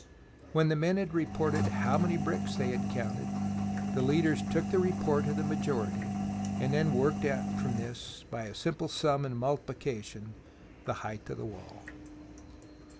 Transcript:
When the men had reported how many bricks they had counted, the leaders took the report of the majority and then worked out from this, by a simple sum in multiplication, the height of the wall.